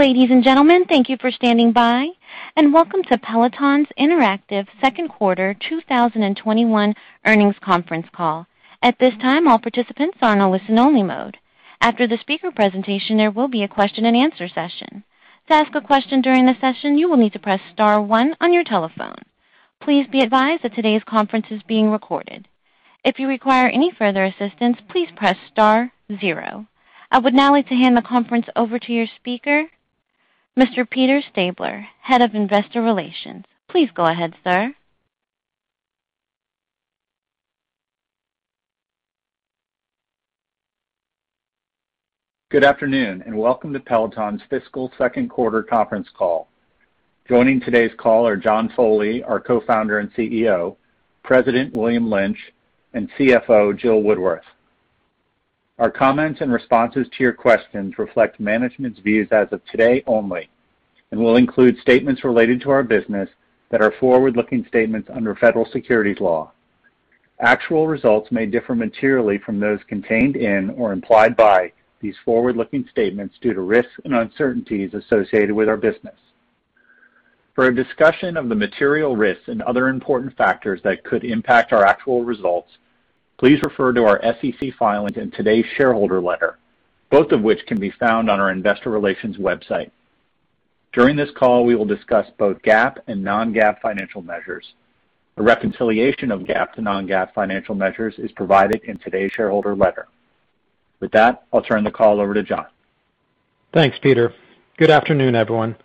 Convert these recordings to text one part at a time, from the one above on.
Ladies and gentlemen, thank you for standing by, and welcome to Peloton's interactive second quarter 2021 earnings conference call. At this time, all participants are in a listen-only mode. After the speaker presentation, there will be a question and answer session. To ask a question during the session, you will need to press star one on your telephone. Please be advised that today's conference is being recorded. If you require any further assistance, please press star zero. I would now like to hand the conference over to your speaker, Mr. Peter Stabler, Head of Investor Relations. Please go ahead, sir. Good afternoon, and welcome to Peloton's fiscal second quarter conference call. Joining today's call are John Foley, our Co-founder and CEO, President William Lynch, and CFO Jill Woodworth. Our comments and responses to your questions reflect management's views as of today only and will include statements related to our business that are forward-looking statements under federal securities law. Actual results may differ materially from those contained in or implied by these forward-looking statements due to risks and uncertainties associated with our business. For a discussion of the material risks and other important factors that could impact our actual results, please refer to our SEC filings and today's shareholder letter, both of which can be found on our investor relations website. During this call, we will discuss both GAAP and non-GAAP financial measures. A reconciliation of GAAP to non-GAAP financial measures is provided in today's shareholder letter. With that, I'll turn the call over to John. Thanks, Peter. Good afternoon, everyone.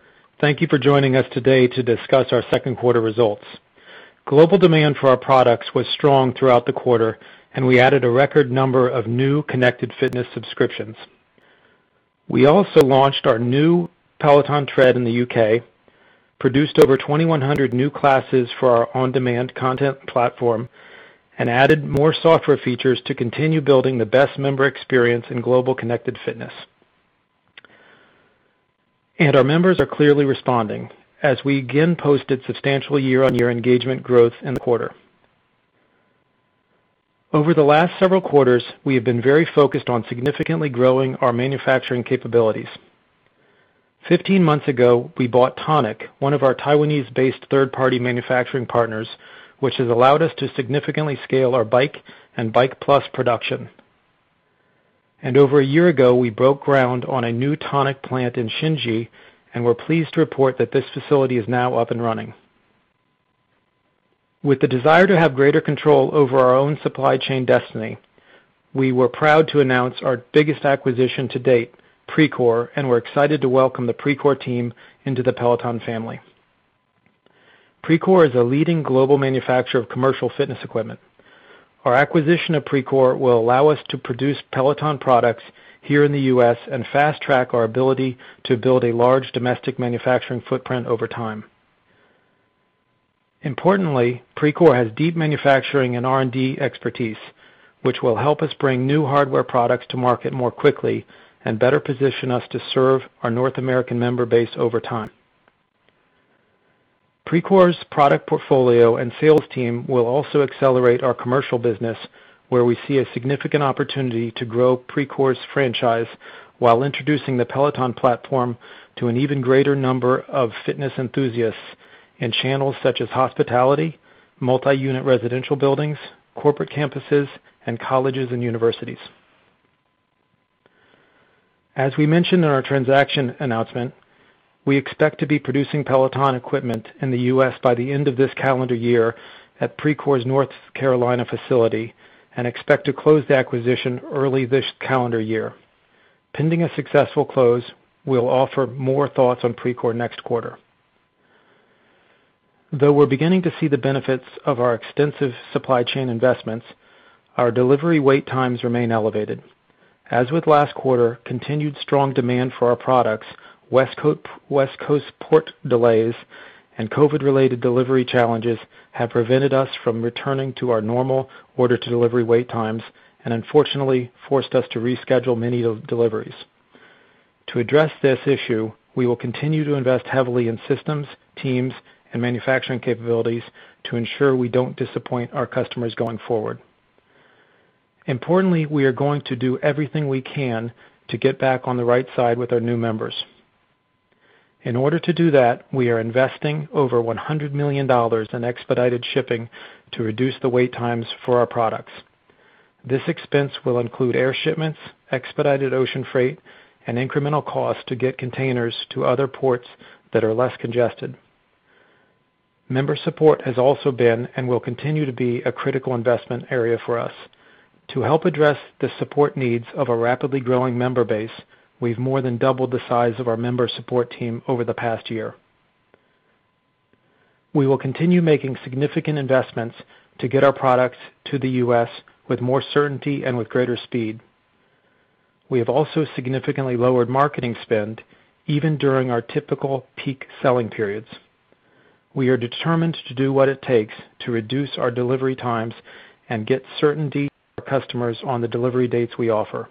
Thank you for joining us today to discuss our second quarter results. Global demand for our products was strong throughout the quarter, we added a record number of new connected fitness subscriptions. We also launched our new Peloton Tread in the U.K., produced over 2,100 new classes for our on-demand content platform, and added more software features to continue building the best member experience in global connected fitness. Our members are clearly responding as we again posted substantial year-on-year engagement growth in the quarter. Over the last several quarters, we have been very focused on significantly growing our manufacturing capabilities. 15 months ago, we bought Tonic, one of our Taiwanese-based third-party manufacturing partners, which has allowed us to significantly scale our Bike and Bike+ production. Over a year ago, we broke ground on a new Tonic plant in Xinji, and we're pleased to report that this facility is now up and running. With the desire to have greater control over our own supply chain destiny, we were proud to announce our biggest acquisition to date, Precor, and we're excited to welcome the Precor team into the Peloton family. Precor is a leading global manufacturer of commercial fitness equipment. Our acquisition of Precor will allow us to produce Peloton products here in the U.S. and fast-track our ability to build a large domestic manufacturing footprint over time. Importantly, Precor has deep manufacturing and R&D expertise, which will help us bring new hardware products to market more quickly and better position us to serve our North American member base over time. Precor's product portfolio and sales team will also accelerate our commercial business, where we see a significant opportunity to grow Precor's franchise while introducing the Peloton platform to an even greater number of fitness enthusiasts in channels such as hospitality, multi-unit residential buildings, corporate campuses, and colleges and universities. As we mentioned in our transaction announcement, we expect to be producing Peloton equipment in the U.S. by the end of this calendar year at Precor's North Carolina facility and expect to close the acquisition early this calendar year. Pending a successful close, we'll offer more thoughts on Precor next quarter. Though we're beginning to see the benefits of our extensive supply chain investments, our delivery wait times remain elevated. As with last quarter, continued strong demand for our products, West Coast port delays, and COVID-related delivery challenges have prevented us from returning to our normal order-to-delivery wait times and unfortunately forced us to reschedule many deliveries. To address this issue, we will continue to invest heavily in systems, teams, and manufacturing capabilities to ensure we don't disappoint our customers going forward. Importantly, we are going to do everything we can to get back on the right side with our new members. In order to do that, we are investing over $100 million in expedited shipping to reduce the wait times for our products. This expense will include air shipments, expedited ocean freight, and incremental costs to get containers to other ports that are less congested. Member support has also been and will continue to be a critical investment area for us. To help address the support needs of a rapidly growing member base, we've more than doubled the size of our member support team over the past year. We will continue making significant investments to get our products to the U.S. with more certainty and with greater speed. We have also significantly lowered marketing spend, even during our typical peak selling periods. We are determined to do what it takes to reduce our delivery times and get certainty to our customers on the delivery dates we offer.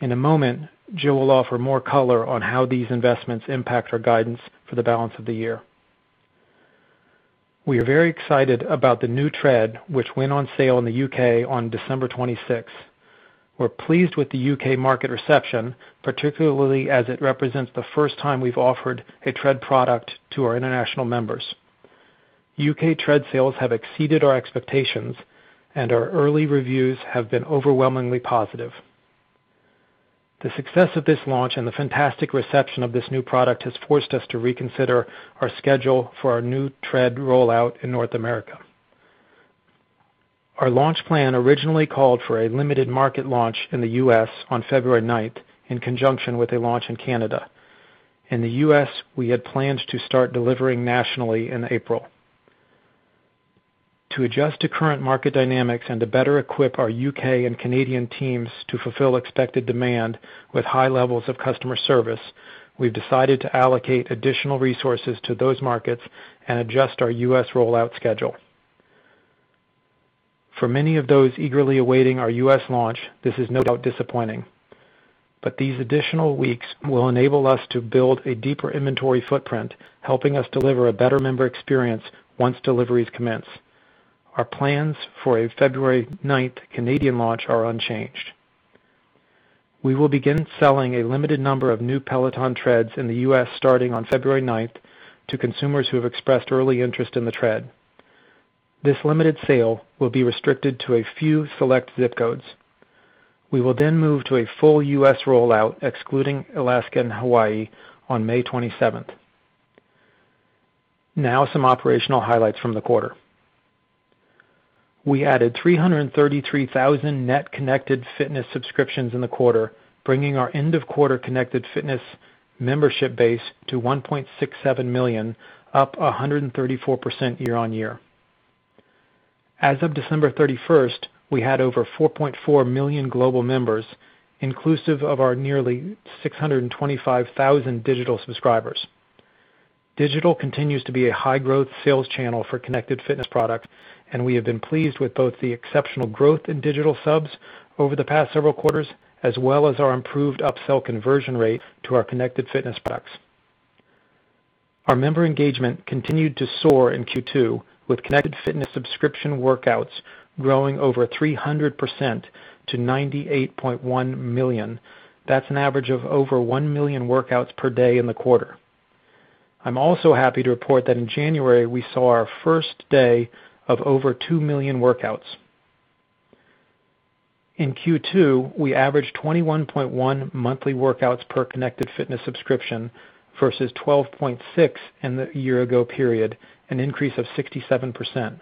In a moment, Jill will offer more color on how these investments impact our guidance for the balance of the year. We are very excited about the new Tread, which went on sale in the U.K. on December 26th. We're pleased with the U.K. market reception, particularly as it represents the first time we've offered a Tread product to our international members. U.K. Tread sales have exceeded our expectations, and our early reviews have been overwhelmingly positive. The success of this launch and the fantastic reception of this new product has forced us to reconsider our schedule for our new Tread rollout in North America. Our launch plan originally called for a limited market launch in the U.S. on February 9th, in conjunction with a launch in Canada. In the U.S., we had plans to start delivering nationally in April. To adjust to current market dynamics and to better equip our U.K. and Canadian teams to fulfill expected demand with high levels of customer service, we've decided to allocate additional resources to those markets and adjust our U.S. rollout schedule. For many of those eagerly awaiting our U.S. launch, this is no doubt disappointing. These additional weeks will enable us to build a deeper inventory footprint, helping us deliver a better member experience once deliveries commence. Our plans for a February 9th Canadian launch are unchanged. We will begin selling a limited number of new Peloton Treads in the U.S. starting on February 9th to consumers who have expressed early interest in the Tread. This limited sale will be restricted to a few select zip codes. We will move to a full U.S. rollout, excluding Alaska and Hawaii, on May 27th. Some operational highlights from the quarter. We added 333,000 net connected fitness subscriptions in the quarter, bringing our end-of-quarter connected fitness membership base to 1.67 million, up 134% year-on-year. As of December 31st, we had over 4.4 million global members, inclusive of our nearly 625,000 digital subscribers. Digital continues to be a high-growth sales channel for connected fitness products, and we have been pleased with both the exceptional growth in digital subs over the past several quarters, as well as our improved upsell conversion rate to our connected fitness products. Our member engagement continued to soar in Q2, with connected fitness subscription workouts growing over 300% to 98.1 million. That's an average of over 1 million workouts per day in the quarter. I'm also happy to report that in January, we saw our first day of over 2 million workouts. In Q2, we averaged 21.1 monthly workouts per connected fitness subscription versus 12.6 in the year-ago period, an increase of 67%.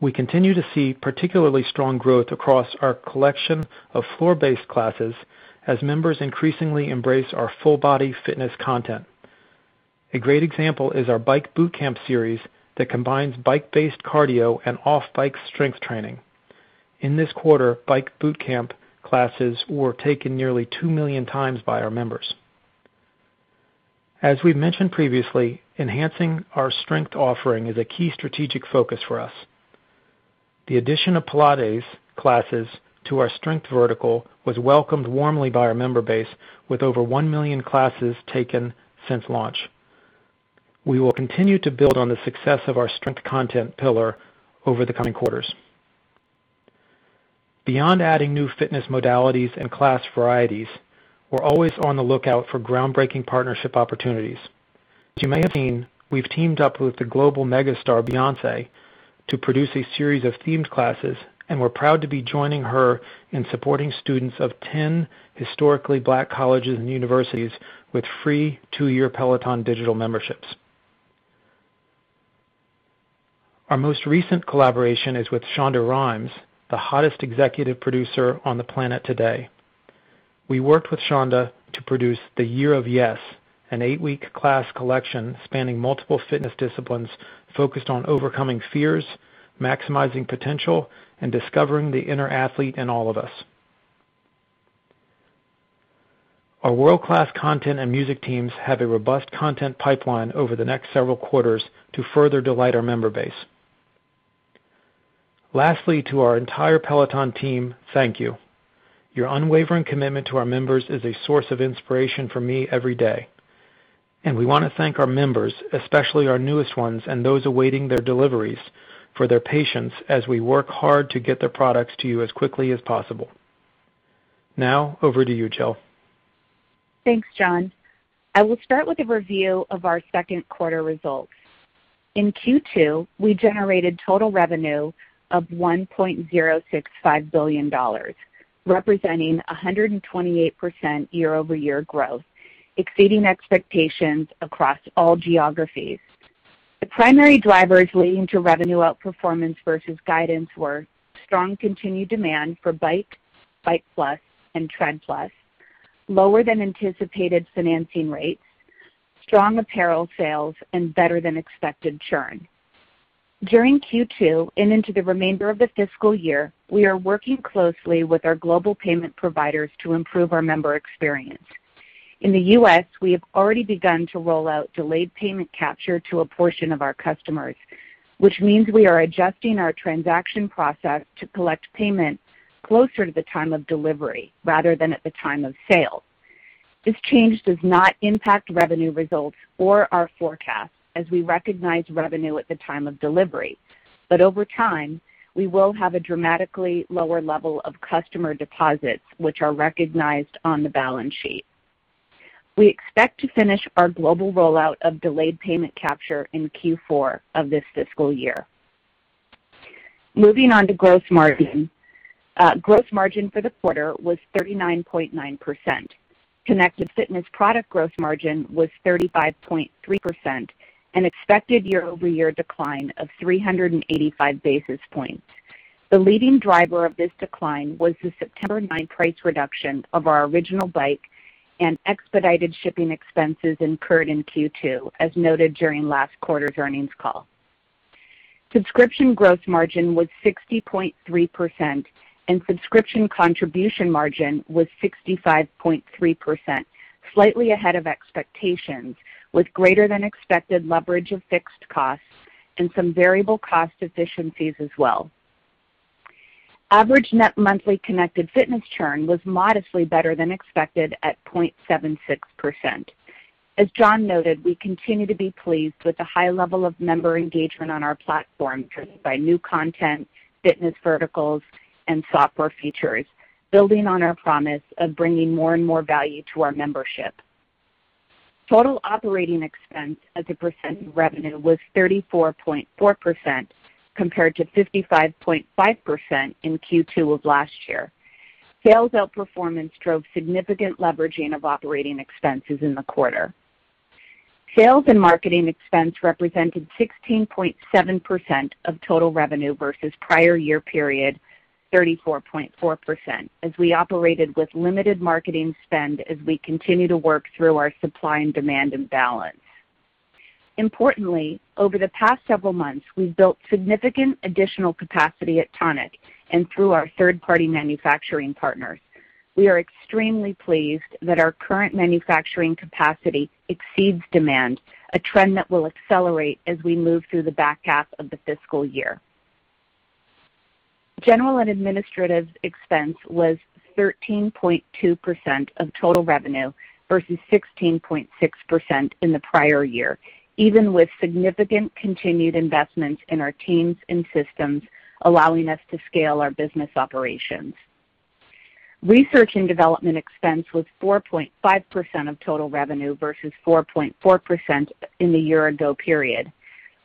We continue to see particularly strong growth across our collection of floor-based classes, as members increasingly embrace our full-body fitness content. A great example is our Bike Bootcamp series that combines bike-based cardio and off-bike strength training. In this quarter, Bike Bootcamp classes were taken nearly 2 million times by our members. As we've mentioned previously, enhancing our strength offering is a key strategic focus for us. The addition of Pilates classes to our strength vertical was welcomed warmly by our member base, with over 1 million classes taken since launch. We will continue to build on the success of our strength content pillar over the coming quarters. Beyond adding new fitness modalities and class varieties, we're always on the lookout for groundbreaking partnership opportunities. As you may have seen, we've teamed up with the global megastar Beyoncé to produce a series of themed classes, and we're proud to be joining her in supporting students of 10 historically Black colleges and universities with free two-year Peloton digital memberships. Our most recent collaboration is with Shonda Rhimes, the hottest executive producer on the planet today. We worked with Shonda to produce Year of Yes, an eight-week class collection spanning multiple fitness disciplines focused on overcoming fears, maximizing potential, and discovering the inner athlete in all of us. Our world-class content and music teams have a robust content pipeline over the next several quarters to further delight our member base. Lastly, to our entire Peloton team, thank you. Your unwavering commitment to our members is a source of inspiration for me every day. We want to thank our members, especially our newest ones and those awaiting their deliveries, for their patience as we work hard to get their products to you as quickly as possible. Now, over to you, Jill. Thanks, John. I will start with a review of our second quarter results. In Q2, we generated total revenue of $1.065 billion, representing 128% year-over-year growth, exceeding expectations across all geographies. The primary drivers leading to revenue outperformance versus guidance were strong continued demand for Bike+, and Tread+, lower than anticipated financing rates, strong apparel sales, and better than expected churn. During Q2 and into the remainder of the fiscal year, we are working closely with our global payment providers to improve our member experience. In the U.S., we have already begun to roll out delayed payment capture to a portion of our customers, which means we are adjusting our transaction process to collect payment closer to the time of delivery rather than at the time of sale. This change does not impact revenue results or our forecast as we recognize revenue at the time of delivery. Over time, we will have a dramatically lower level of customer deposits, which are recognized on the balance sheet. We expect to finish our global rollout of delayed payment capture in Q4 of this fiscal year. Moving on to gross margin. Gross margin for the quarter was 39.9%. Connected Fitness product gross margin was 35.3%, an expected year-over-year decline of 385 basis points. The leading driver of this decline was the September 9 price reduction of our original Bike and expedited shipping expenses incurred in Q2, as noted during last quarter's earnings call. Subscription gross margin was 60.3%, and subscription contribution margin was 65.3%, slightly ahead of expectations, with greater than expected leverage of fixed costs and some variable cost efficiencies as well. Average net monthly Connected Fitness churn was modestly better than expected at 0.76%. As John noted, we continue to be pleased with the high level of member engagement on our platform driven by new content, fitness verticals, and software features, building on our promise of bringing more and more value to our membership. Total operating expense as a percent of revenue was 34.4% compared to 55.5% in Q2 of last year. Sales outperformance drove significant leveraging of operating expenses in the quarter. Sales and marketing expense represented 16.7% of total revenue versus prior year period, 34.4%, as we operated with limited marketing spend as we continue to work through our supply and demand imbalance. Importantly, over the past several months, we've built significant additional capacity at Tonic and through our third-party manufacturing partners. We are extremely pleased that our current manufacturing capacity exceeds demand, a trend that will accelerate as we move through the back half of the fiscal year. General and administrative expense was 13.2% of total revenue versus 16.6% in the prior year, even with significant continued investments in our teams and systems, allowing us to scale our business operations. Research and development expense was 4.5% of total revenue versus 4.4% in the year ago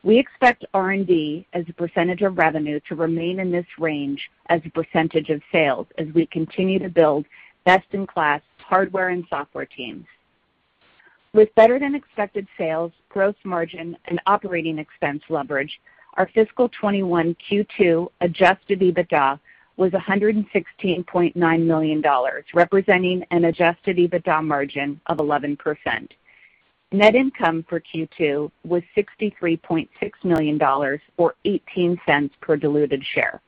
period. We expect R&D as a percentage of revenue to remain in this range as a percentage of sales as we continue to build best-in-class hardware and software teams. With better than expected sales, gross margin, and operating expense leverage, our fiscal 2021 Q2 adjusted EBITDA was $116.9 million, representing an adjusted EBITDA margin of 11%. Net income for Q2 was $63.6 million, or $0.18 per diluted share.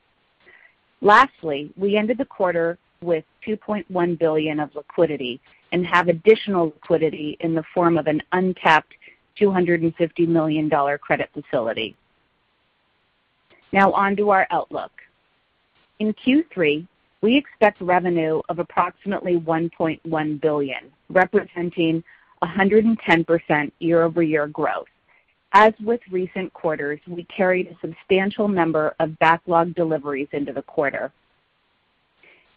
Lastly, we ended the quarter with $2.1 billion of liquidity and have additional liquidity in the form of an untapped $250 million credit facility. Now on to our outlook. In Q3, we expect revenue of approximately $1.1 billion, representing 110% year-over-year growth. As with recent quarters, we carried a substantial number of backlog deliveries into the quarter.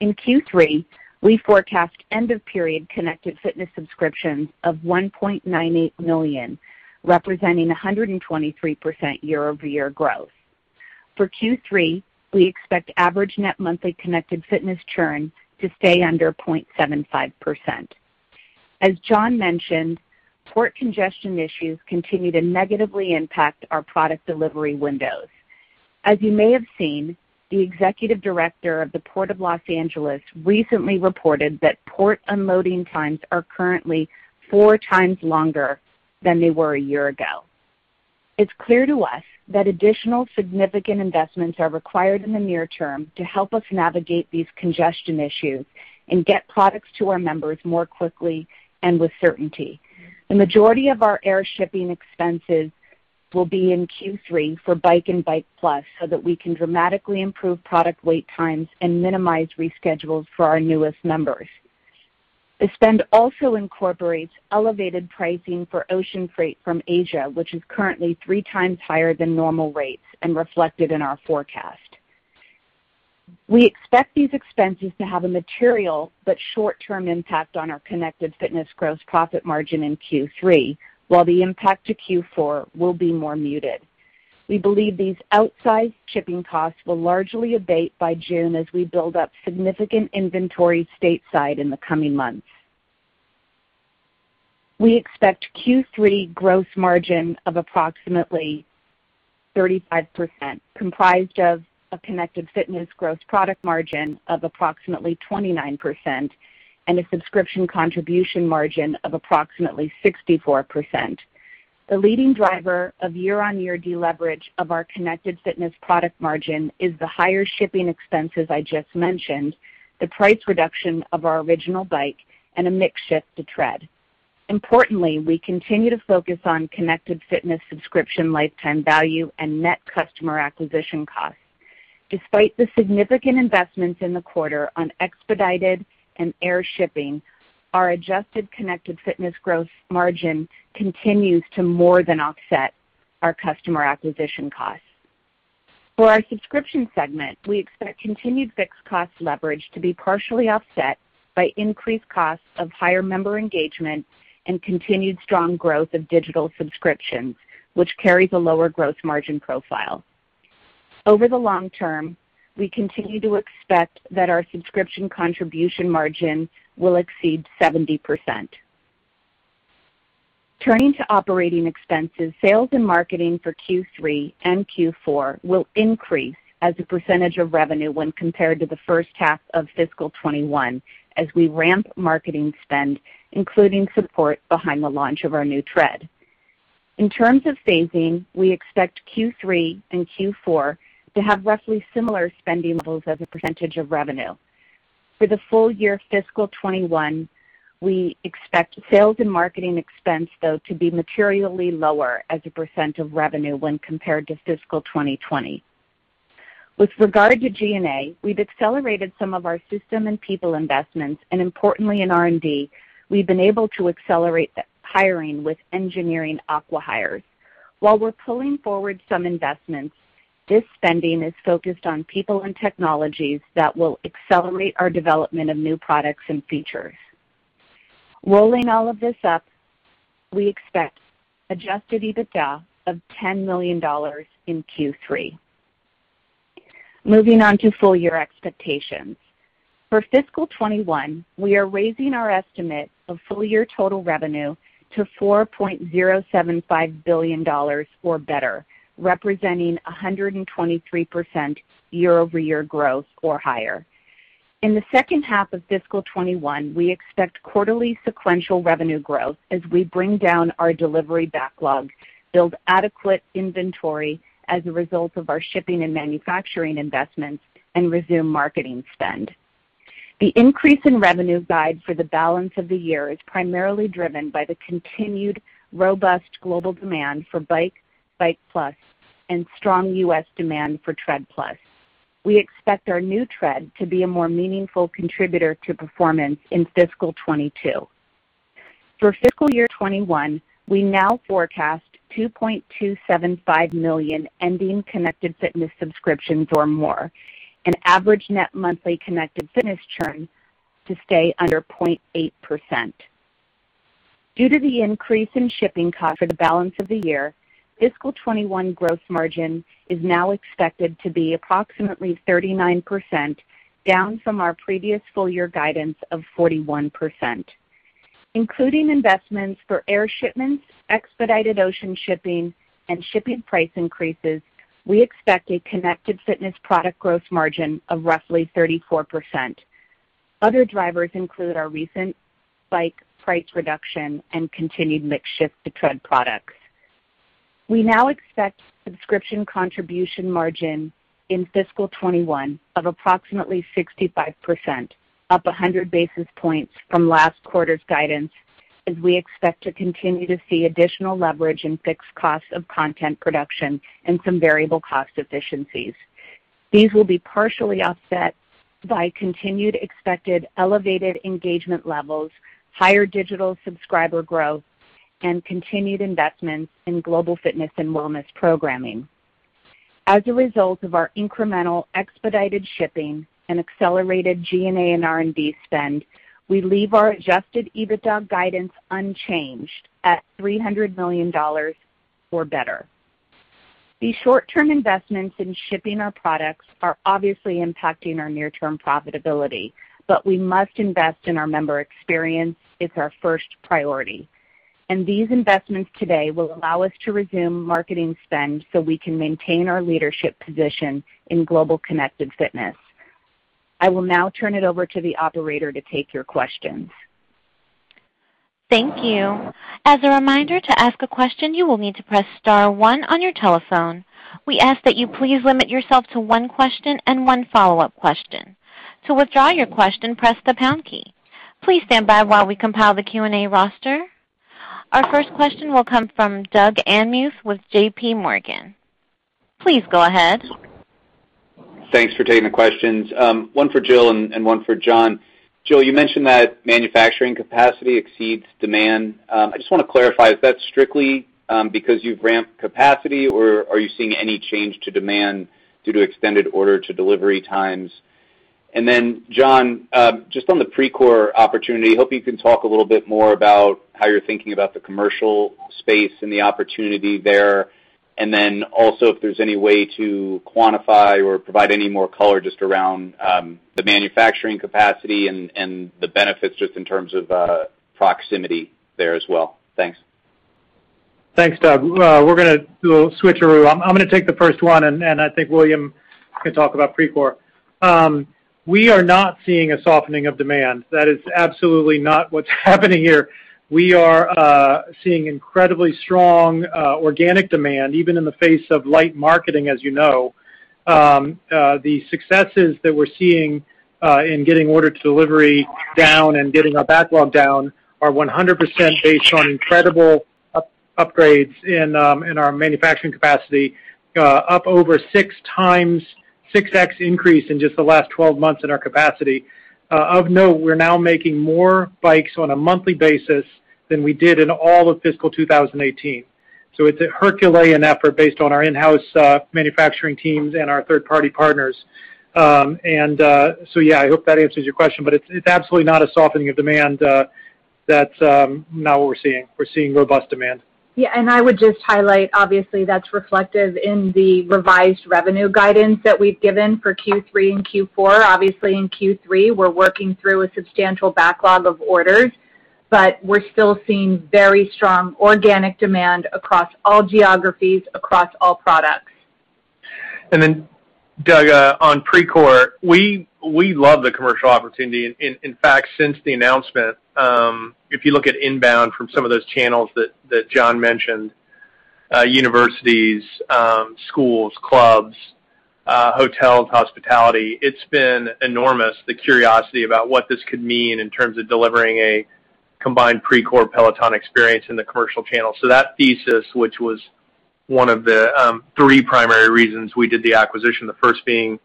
In Q3, we forecast end-of-period Connected Fitness subscriptions of 1.98 million, representing 123% year-over-year growth. For Q3, we expect average net monthly Connected Fitness churn to stay under 0.75%. As John mentioned, port congestion issues continue to negatively impact our product delivery windows. As you may have seen, the executive director of the Port of L.A. recently reported that port unloading times are currently four times longer than they were a year ago. It is clear to us that additional significant investments are required in the near term to help us navigate these congestion issues and get products to our members more quickly and with certainty. The majority of our air shipping expenses will be in Q3 for Bike and Bike+ so that we can dramatically improve product wait times and minimize reschedules for our newest members. The spend also incorporates elevated pricing for ocean freight from Asia, which is currently three times higher than normal rates and reflected in our forecast. We expect these expenses to have a material but short-term impact on our Connected Fitness gross profit margin in Q3, while the impact to Q4 will be more muted. We believe these outsized shipping costs will largely abate by June as we build up significant inventory stateside in the coming months. We expect Q3 gross margin of approximately 35%, comprised of a Connected Fitness gross product margin of approximately 29% and a subscription contribution margin of approximately 64%. The leading driver of year-over-year deleverage of our Connected Fitness product margin is the higher shipping expenses I just mentioned, the price reduction of our original Bike, and a mix shift to Tread. Importantly, we continue to focus on Connected Fitness subscription lifetime value and net customer acquisition costs. Despite the significant investments in the quarter on expedited and air shipping, our adjusted Connected Fitness gross margin continues to more than offset our customer acquisition costs. For our subscription segment, we expect continued fixed cost leverage to be partially offset by increased costs of higher member engagement and continued strong growth of digital subscriptions, which carry the lower gross margin profile. Over the long term, we continue to expect that our subscription contribution margin will exceed 70%. Turning to operating expenses, sales and marketing for Q3 and Q4 will increase as a percentage of revenue when compared to the first half of fiscal 2021, as we ramp marketing spend, including support behind the launch of our new Tread. In terms of phasing, we expect Q3 and Q4 to have roughly similar spending levels as a percentage of revenue. For the full year fiscal 2021, we expect sales and marketing expense, though, to be materially lower as a percentage of revenue when compared to fiscal 2020. With regard to G&A, we've accelerated some of our system and people investments, and importantly in R&D, we've been able to accelerate the hiring with engineering acquihires. While we're pulling forward some investments, this spending is focused on people and technologies that will accelerate our development of new products and features. Rolling all of this up, we expect adjusted EBITDA of $10 million in Q3. Moving on to full-year expectations. For fiscal 2021, we are raising our estimate of full-year total revenue to $4.075 billion or better, representing 123% year-over-year growth or higher. In the second half of fiscal 2021, we expect quarterly sequential revenue growth as we bring down our delivery backlog, build adequate inventory as a result of our shipping and manufacturing investments, and resume marketing spend. The increase in revenue guide for the balance of the year is primarily driven by the continued robust global demand for Bike+, and strong U.S. demand for Tread+. We expect our new Tread to be a more meaningful contributor to performance in fiscal 2022. For fiscal year 2021, we now forecast 2.275 million ending connected fitness subscriptions or more, an average net monthly connected fitness churn to stay under 0.8%. Due to the increase in shipping costs for the balance of the year, fiscal 2021 gross margin is now expected to be approximately 39%, down from our previous full-year guidance of 41%. Including investments for air shipments, expedited ocean shipping, and shipping price increases, we expect a connected fitness product gross margin of roughly 34%. Other drivers include our recent Bike price reduction and continued mix shift to Tread products. We now expect subscription contribution margin in fiscal 2021 of approximately 65%, up 100 basis points from last quarter's guidance, as we expect to continue to see additional leverage in fixed costs of content production and some variable cost efficiencies. These will be partially offset by continued expected elevated engagement levels, higher digital subscriber growth, and continued investments in global fitness and wellness programming. As a result of our incremental expedited shipping and accelerated G&A and R&D spend, we leave our adjusted EBITDA guidance unchanged at $300 million or better. These short-term investments in shipping our products are obviously impacting our near-term profitability, we must invest in our member experience. It's our first priority. These investments today will allow us to resume marketing spend so we can maintain our leadership position in global connected fitness. I will now turn it over to the operator to take your questions. Thank you. As a reminder, to ask a question, you will need to press star one on your telephone. We ask that you please limit yourself to one question and one follow-up question. To withdraw your question, press the pound key. Please stand by while we compile the Q&A roster. Our first question will come from Doug Anmuth with JPMorgan. Please go ahead. Thanks for taking the questions. One for Jill and one for John. Jill, you mentioned that manufacturing capacity exceeds demand. I just want to clarify, is that strictly because you've ramped capacity, or are you seeing any change to demand due to extended order-to-delivery times? John, just on the Precor opportunity, hoping you can talk a little bit more about how you're thinking about the commercial space and the opportunity there. Also, if there's any way to quantify or provide any more color just around the manufacturing capacity and the benefits just in terms of proximity there as well. Thanks. Thanks, Doug. We're going to do a little switcheroo. I'm gonna take the first one, and I think William can talk about Precor. We are not seeing a softening of demand. That is absolutely not what's happening here. We are seeing incredibly strong organic demand, even in the face of light marketing, as you know. The successes that we're seeing in getting order delivery down and getting our backlog down are 100% based on incredible upgrades in our manufacturing capacity, up over six times, 6x increase in just the last 12 months in our capacity. Of note, we're now making more bikes on a monthly basis than we did in all of fiscal 2018. [inaudible] So yeah, I hope that answers your question, but it's absolutely not a softening of demand. That's not what we're seeing. We're seeing robust demand. Yeah. I would just highlight, obviously, that's reflective in the revised revenue guidance that we've given for Q3 and Q4. Obviously, in Q3, we're working through a substantial backlog of orders, but we're still seeing very strong organic demand across all geographies, across all products. Then Doug, on Precor, we love the commercial opportunity. In fact, since the announcement, if you look at inbound from some of those channels that John mentioned, universities, schools, clubs, hotels, hospitality, it's been enormous, the curiosity about what this could mean in terms of delivering a combined Precor Peloton experience in the commercial channel. That thesis, which was one of the three primary reasons we did the acquisition, the first being the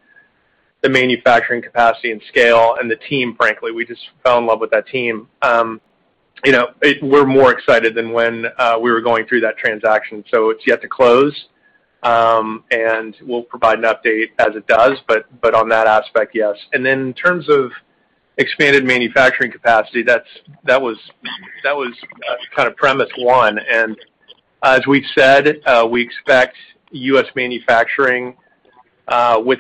manufacturing capacity and scale and the team, frankly, we just fell in love with that team. We're more excited than when we were going through that transaction. It's yet to close, and we'll provide an update as it does. On that aspect, yes. Then in terms of expanded manufacturing capacity, that was kind of premise one. As we've said, we expect U.S. manufacturing, with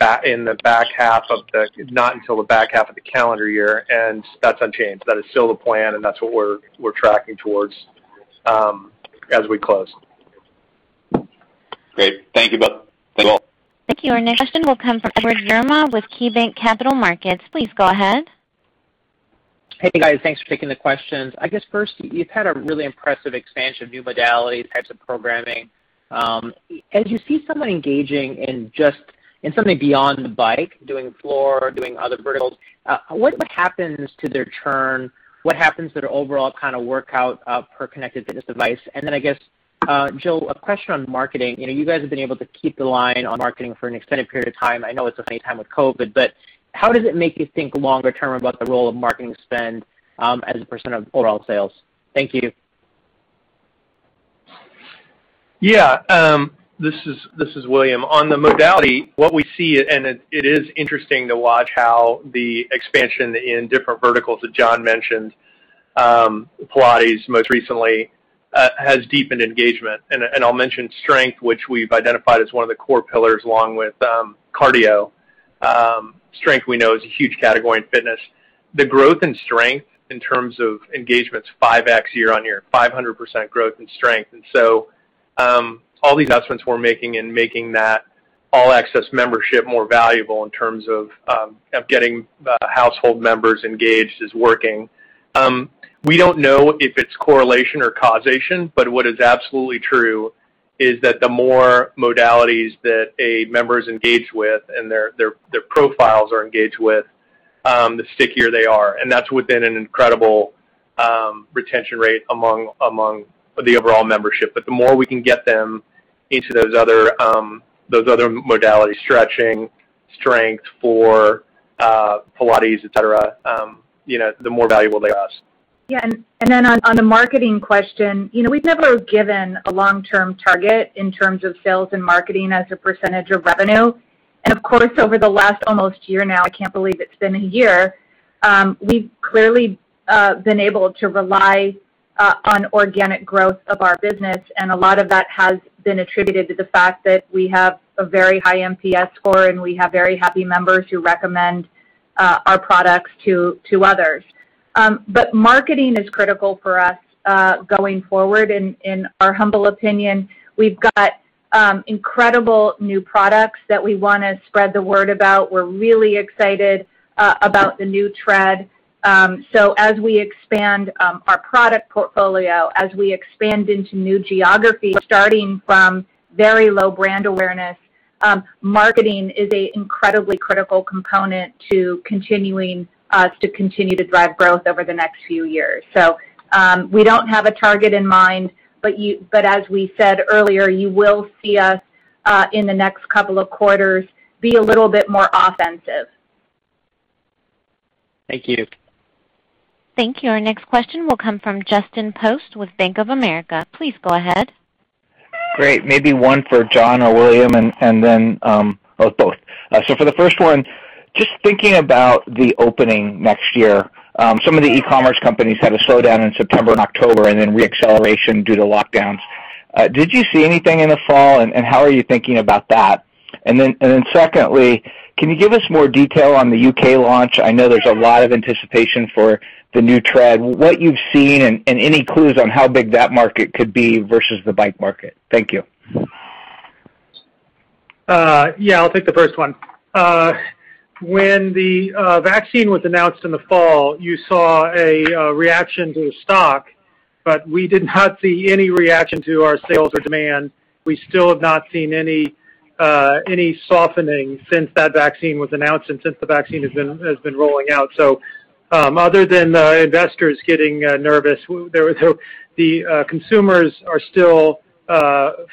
Precor, not until the back half of the calendar year, and that's unchanged. That is still the plan, and that's what we're tracking towards as we close. Great. Thank you both. Thank you all. Thank you. Our next question will come from Edward Yruma with KeyBanc Capital Markets. Please go ahead. Hey, guys. Thanks for taking the questions. I guess first, you've had a really impressive expansion of new modalities, types of programming. As you see someone engaging in something beyond the Bike, doing floor, doing other verticals, what happens to their churn? What happens to their overall kind of workout per connected fitness device? I guess, Jill, a question on marketing. You guys have been able to keep the line on marketing for an extended period of time. I know it's a funny time with COVID, but how does it make you think longer term about the role of marketing spend as a percent of overall sales? Thank you. This is William. On the modality, what we see, and it is interesting to watch how the expansion in different verticals that John mentioned, Pilates most recently, has deepened engagement. I'll mention strength, which we've identified as one of the core pillars along with cardio. Strength we know is a huge category in fitness. The growth in strength in terms of engagement's 5x year-over-year, 500% growth in strength. All the investments we're making in making that All Access membership more valuable in terms of getting household members engaged is working. We don't know if it's correlation or causation, but what is absolutely true is that the more modalities that a member's engaged with and their profiles are engaged with, the stickier they are, and that's within an incredible retention rate among the overall membership. The more we can get them into those other modalities, stretching, strength, floor, Pilates, et cetera, the more valuable they are to us. Yeah. On the marketing question, we've never given a long-term target in terms of sales and marketing as a percentage of revenue. Of course, over the last almost year now, I can't believe it's been a year, we've clearly been able to rely on organic growth of our business, and a lot of that has been attributed to the fact that we have a very high NPS score, and we have very happy members who recommend our products to others. Marketing is critical for us going forward, in our humble opinion. We've got incredible new products that we want to spread the word about. We're really excited about the new Tread. As we expand our product portfolio, as we expand into new geographies, starting from very low brand awareness, marketing is an incredibly critical component to us to continue to drive growth over the next few years. We don't have a target in mind, but as we said earlier, you will see us in the next couple of quarters, be a little bit more offensive. Thank you. Thank you. Our next question will come from Justin Post with Bank of America. Please go ahead. Great. Maybe one for John or William, and then, or both. For the first one, just thinking about the opening next year, some of the e-commerce companies had a slowdown in September and October and then re-acceleration due to lockdowns. Did you see anything in the fall, and how are you thinking about that? Secondly, can you give us more detail on the U.K. launch? I know there's a lot of anticipation for the new Tread. What you've seen and any clues on how big that market could be versus the Bike market. Thank you. Yeah. I'll take the first one. When the vaccine was announced in the fall, you saw a reaction to the stock. We did not see any reaction to our sales or demand. We still have not seen any softening since that vaccine was announced and since the vaccine has been rolling out. Other than the investors getting nervous, the consumers are still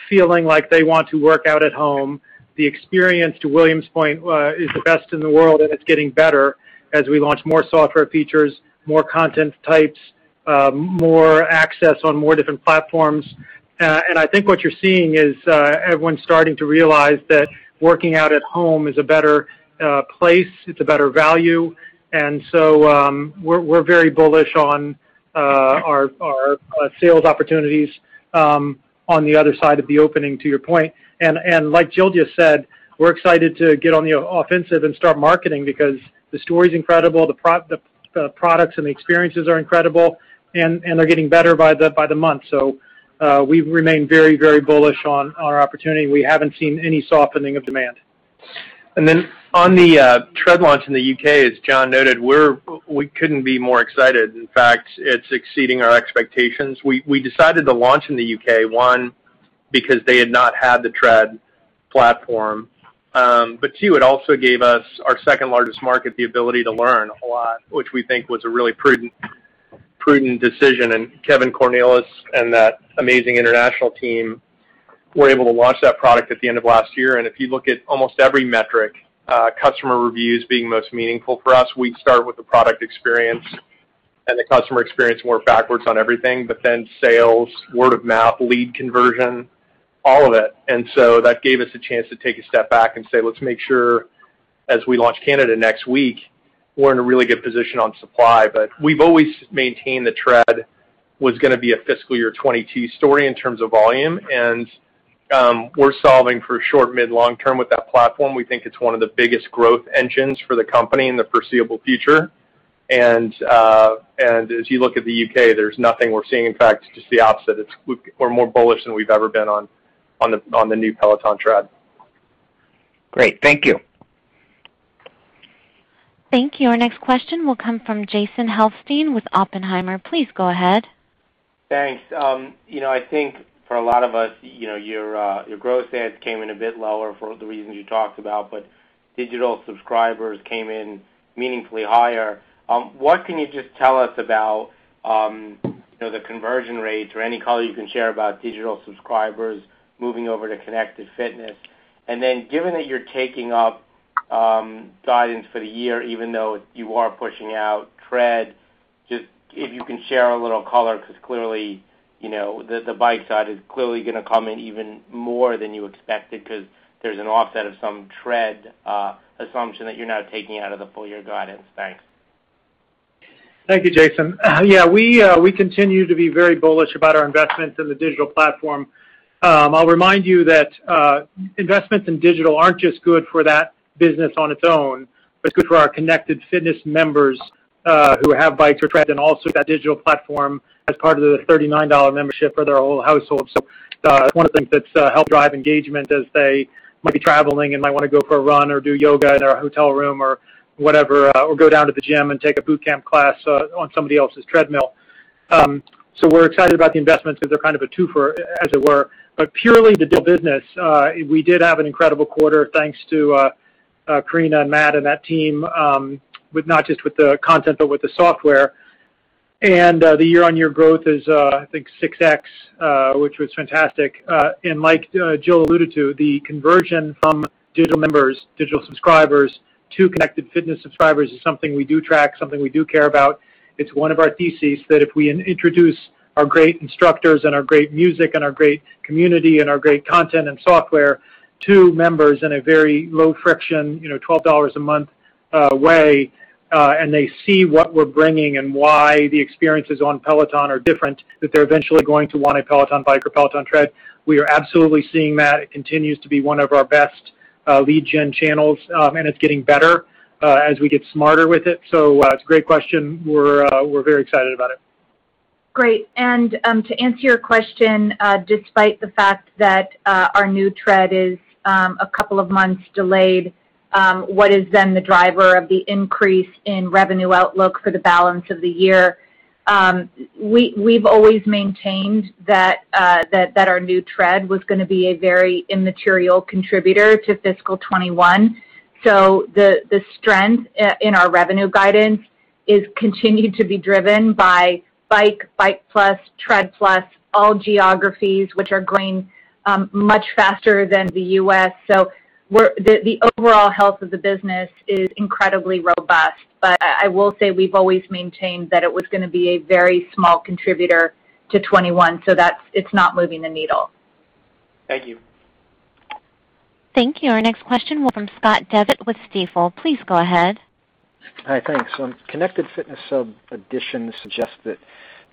feeling like they want to work out at home. The experience, to William's point, is the best in the world, and it's getting better as we launch more software features, more content types, more access on more different platforms. I think what you're seeing is everyone's starting to realize that working out at home is a better place. It's a better value. We're very bullish on our sales opportunities on the other side of the opening, to your point. Like Jill just said, we're excited to get on the offensive and start marketing because the story's incredible. The products and the experiences are incredible, and they're getting better by the month. We remain very bullish on our opportunity. We haven't seen any softening of demand. On the Tread launch in the U.K., as John noted, we couldn't be more excited. In fact, it's exceeding our expectations. We decided to launch in the U.K., one, because they had not had the Tread platform. Two, it also gave us our second largest market the ability to learn a lot, which we think was a really prudent decision. Kevin Cornils and that amazing international team were able to launch that product at the end of last year. If you look at almost every metric, customer reviews being most meaningful for us, we start with the product experience and the customer experience, and work backwards on everything. Sales, word of mouth, lead conversion, all of it. That gave us a chance to take a step back and say, "Let's make sure as we launch Canada next week, we're in a really good position on supply." We've always maintained the Tread was going to be a fiscal year 2022 story in terms of volume. We're solving for short, mid, long term with that platform. We think it's one of the biggest growth engines for the company in the foreseeable future. As you look at the U.K., there's nothing we're seeing. In fact, it's just the opposite. We're more bullish than we've ever been on the new Peloton Tread. Great. Thank you. Thank you. Our next question will come from Jason Helfstein with Oppenheimer. Please go ahead. Thanks. I think for a lot of us, your growth stats came in a bit lower for the reasons you talked about, digital subscribers came in meaningfully higher. What can you just tell us about the conversion rates or any color you can share about digital subscribers moving over to connected fitness? Given that you're taking up guidance for the year, even though you are pushing out Tread, just if you can share a little color, because the Bike side is clearly going to come in even more than you expected because there's an offset of some Tread assumption that you're now taking out of the full year guidance. Thanks. Thank you, Jason. Yeah, we continue to be very bullish about our investments in the digital platform. I'll remind you that investments in digital aren't just good for that business on its own, but it's good for our connected fitness members who have bikes or tread and also that digital platform as part of the $39 membership for their whole household. That's one of the things that's helped drive engagement as they might be traveling and might want to go for a run or do yoga in their hotel room or whatever. Go down to the gym and take a boot camp class on somebody else's treadmill. We're excited about the investments because they're kind of a twofer, as it were. Purely the digital business, we did have an incredible quarter, thanks to Karina and Matt and that team, not just with the content, but with the software. The year-on-year growth is, I think 6x, which was fantastic. Like Jill alluded to, the conversion from digital members, digital subscribers to connected fitness subscribers is something we do track, something we do care about. It's one of our theses that if we introduce our great instructors and our great music and our great community and our great content and software to members in a very low friction, $12 a month way, and they see what we're bringing and why the experiences on Peloton are different, that they're eventually going to want a Peloton Bike or Peloton Tread. We are absolutely seeing that. It continues to be one of our best lead gen channels, and it's getting better as we get smarter with it. It's a great question. We're very excited about it. Great. To answer your question, despite the fact that our new Tread is a couple of months delayed, what is then the driver of the increase in revenue outlook for the balance of the year? We've always maintained that our new Tread was going to be a very immaterial contributor to fiscal 2021. The strength in our revenue guidance is continued to be driven by Bike+, Tread+, all geographies, which are growing much faster than the U.S. The overall health of the business is incredibly robust. I will say we've always maintained that it was going to be a very small contributor to 2021, so it's not moving the needle. Thank you. Thank you. Our next question will from Scott Devitt with Stifel. Please go ahead. Hi, thanks. Connected Fitness sub additions suggest that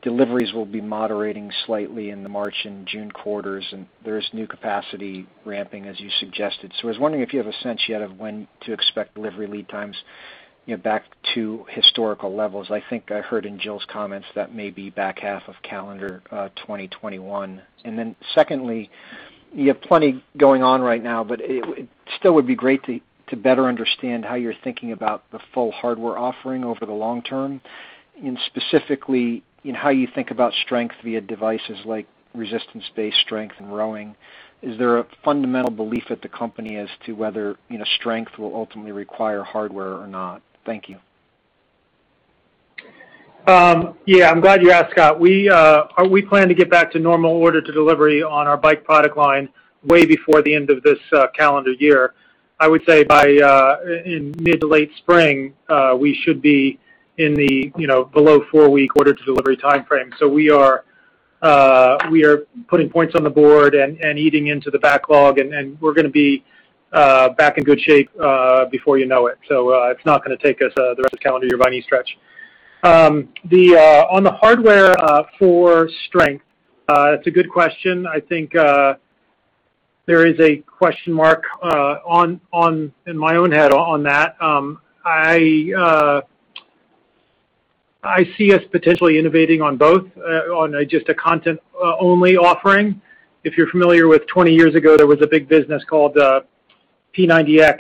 deliveries will be moderating slightly in the March and June quarters, and there is new capacity ramping as you suggested. I was wondering if you have a sense yet of when to expect delivery lead times back to historical levels. I think I heard in Jill's comments that may be back half of calendar 2021. Secondly, you have plenty going on right now, but it still would be great to better understand how you're thinking about the full hardware offering over the long term, and specifically, how you think about strength via devices like resistance-based strength and rowing. Is there a fundamental belief at the company as to whether strength will ultimately require hardware or not? Thank you. I'm glad you asked, Scott. We plan to get back to normal order-to-delivery on our Bike product line way before the end of this calendar year. I would say by mid to late spring, we should be in the below four-week order-to-delivery timeframe. We are putting points on the board and eating into the backlog, and we're going to be back in good shape before you know it. It's not going to take us the rest of calendar year by any stretch. On the hardware for strength, it's a good question. I think there is a question mark in my own head on that. I see us potentially innovating on both, on just a content-only offering. If you're familiar with 20 years ago, there was a big business called P90X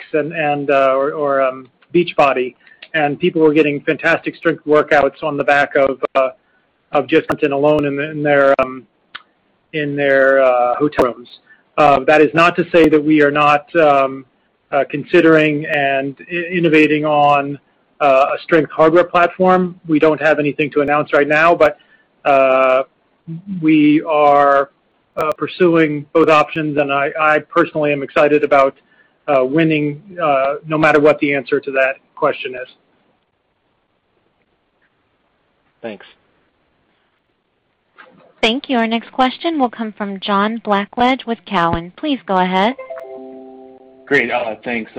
or Beachbody, and people were getting fantastic strength workouts on the back of just content alone in their hotel rooms. That is not to say that we are not considering and innovating on a strength hardware platform. We don't have anything to announce right now, but we are pursuing both options, and I personally am excited about winning, no matter what the answer to that question is. Thanks. Thank you. Our next question will come from John Blackledge with Cowen. Please go ahead. Great. Thanks.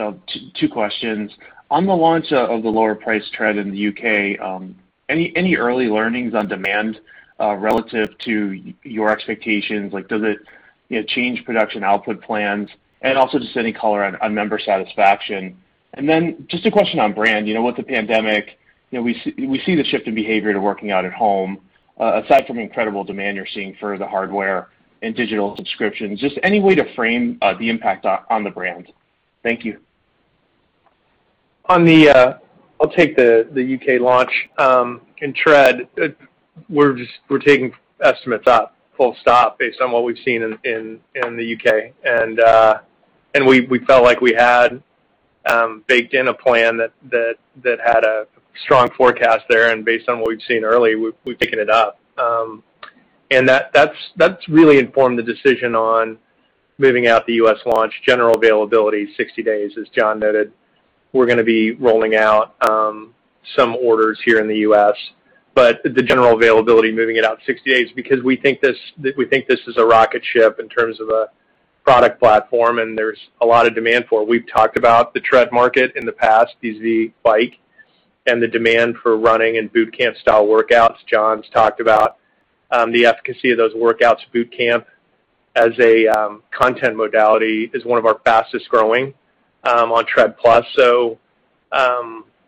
Two questions. On the launch of the lower price Tread in the U.K., any early learnings on demand relative to your expectations? Does it change production output plans? Also, just any color on member satisfaction. Then just a question on brand. With the pandemic, we see the shift in behavior to working out at home. Aside from incredible demand you're seeing for the hardware and digital subscriptions, just any way to frame the impact on the brand. Thank you. I'll take the U.K. launch in Tread. We're taking estimates up, full stop, based on what we've seen in the U.K. We felt like we had baked in a plan that had a strong forecast there, based on what we've seen early, we've taken it up. That's really informed the decision on moving out the U.S. launch general availability 60 days, as John noted. We're going to be rolling out some orders here in the U.S., the general availability, moving it out 60 days, because we think this is a rocket ship in terms of a product platform, there's a lot of demand for it. We've talked about the Tread market in the past vis-à-vis Bike and the demand for running and Bootcamp style workouts. John's talked about the efficacy of those workouts. Bootcamp as a content modality is one of our fastest growing on Tread+.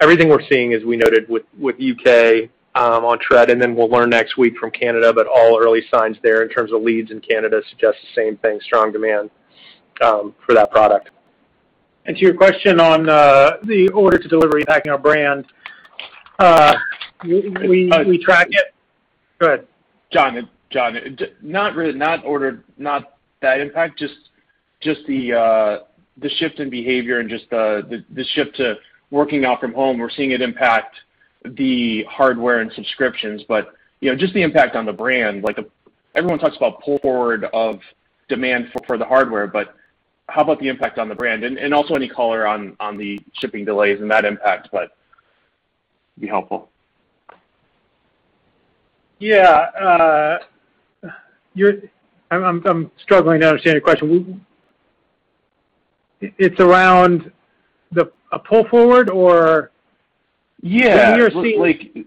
Everything we're seeing, as we noted with U.K. on Tread, and then we'll learn next week from Canada, but all early signs there in terms of leads in Canada suggest the same thing, strong demand for that product. To your question on the order to delivery impacting our brand. We track it. Go ahead. John, not that impact, just the shift in behavior and just the shift to working out from home. We're seeing it impact the hardware and subscriptions, but just the impact on the brand. Everyone talks about pull-forward of demand for the hardware, but how about the impact on the brand? Also any color on the shipping delays and that impact would be helpful. Yeah. I'm struggling to understand your question. It's around a pull forward. Yeah. When you're seeing-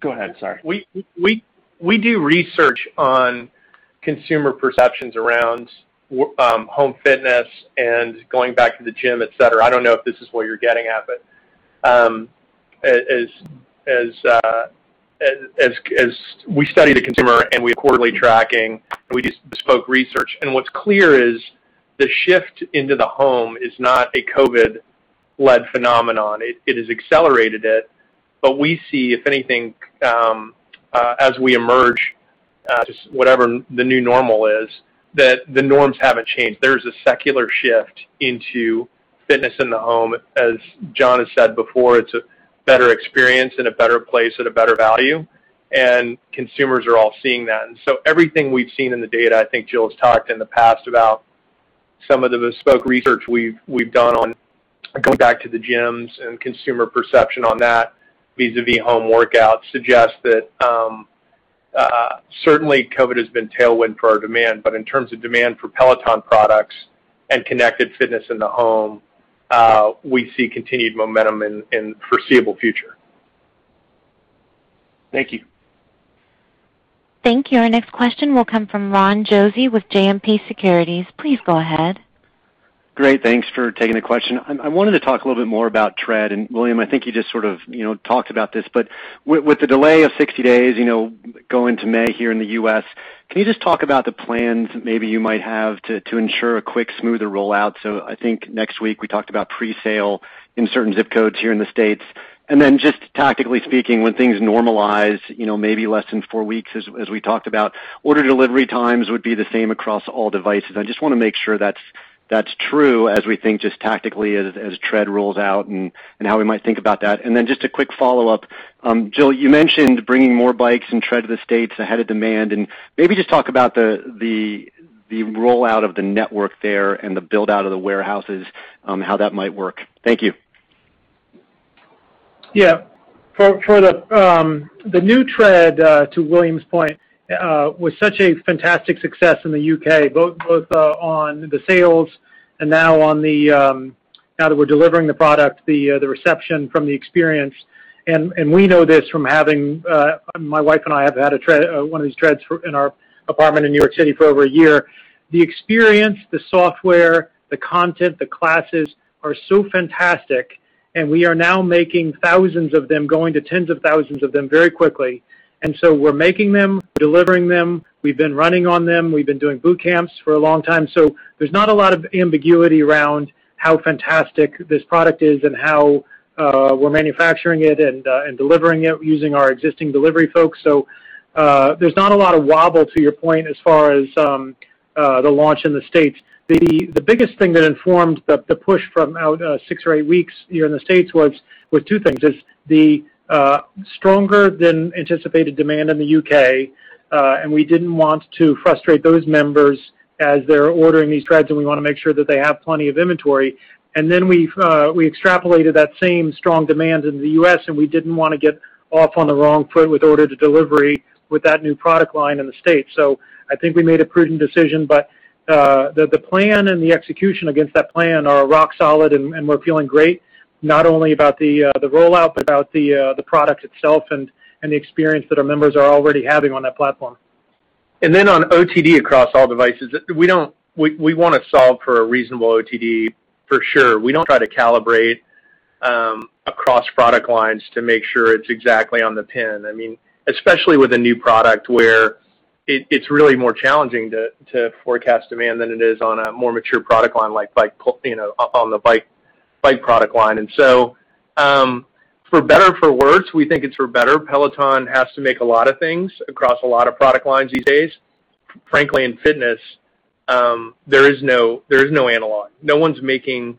Go ahead, sorry. We do research on consumer perceptions around home fitness and going back to the gym, et cetera. I don't know if this is what you're getting at, but as we study the consumer and we have quarterly tracking, and we do bespoke research. What's clear is the shift into the home is not a COVID-led phenomenon. It has accelerated it. We see, if anything, as we emerge to whatever the new normal is, that the norms haven't changed. There's a secular shift into fitness in the home. As John has said before, it's a better experience and a better place at a better value, and consumers are all seeing that. Everything we've seen in the data, I think Jill's talked in the past about some of the bespoke research we've done on going back to the gyms and consumer perception on that vis-à-vis home workouts suggest that certainly COVID has been tailwind for our demand. In terms of demand for Peloton products and connected fitness in the home, we see continued momentum in foreseeable future. Thank you. Thank you. Our next question will come from Ron Josey with JMP Securities. Please go ahead. Great. Thanks for taking the question. I wanted to talk a little bit more about Tread. William, I think you just sort of talked about this, with the delay of 60 days, going to May here in the U.S., can you just talk about the plans maybe you might have to ensure a quick, smoother rollout? I think next week we talked about pre-sale in certain zip codes here in the States. Just tactically speaking, when things normalize, maybe less than four weeks, as we talked about, order delivery times would be the same across all devices. I just want to make sure that's true as we think just tactically as Tread rolls out and how we might think about that. Just a quick follow-up. Jill, you mentioned bringing more bikes and Tread to the U.S. ahead of demand, and maybe just talk about the rollout of the network there and the build-out of the warehouses, how that might work. Thank you. For the new Tread, to William's point, was such a fantastic success in the U.K., both on the sales and now that we're delivering the product, the reception from the experience. We know this from having, my wife and I have had one of these Treads in our apartment in New York City for over a year. The experience, the software, the content, the classes are so fantastic, we are now making thousands of them, going to tens of thousands of them very quickly. We're making them, delivering them. We've been running on them. We've been doing boot camps for a long time. There's not a lot of ambiguity around how fantastic this product is and how we're manufacturing it and delivering it using our existing delivery folks. There's not a lot of wobble, to your point, as far as the launch in the U.S. The biggest thing that informed the push from out six or eight weeks here in the U.S. was two things, is the stronger than anticipated demand in the U.K., and we didn't want to frustrate those members as they're ordering these Treads, and we want to make sure that they have plenty of inventory. We extrapolated that same strong demand in the U.S., and we didn't want to get off on the wrong foot with order to delivery with that new product line in the U.S. I think we made a prudent decision, but the plan and the execution against that plan are rock solid, and we're feeling great, not only about the rollout, but about the product itself and the experience that our members are already having on that platform. On OTD across all devices, we want to solve for a reasonable OTD for sure. We don't try to calibrate across product lines to make sure it's exactly on the pin. Especially with a new product where it's really more challenging to forecast demand than it is on a more mature product line, like on the Bike product line. For better or for worse, we think it's for better, Peloton has to make a lot of things across a lot of product lines these days. Frankly, in fitness, there is no analog. No one's making,